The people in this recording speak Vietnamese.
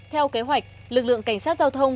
theo kế hoạch lực lượng cảnh sát giao thông